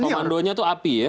komandonya itu api ya